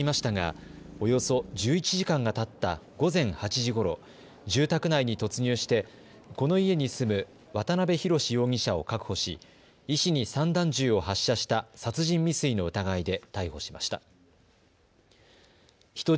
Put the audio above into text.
警察は説得を続けていましたがおよそ１１時間がたった午前８時ごろ住宅内に突入してこの家に住む渡邊宏容疑者を確保し医師に散弾銃を発射した殺人未遂の疑いで逮捕しました。